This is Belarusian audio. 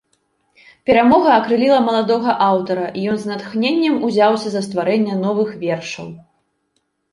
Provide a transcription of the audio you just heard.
Перамога акрыліла маладога аўтара, і ён з натхненнем узяўся за стварэнне новых вершаў.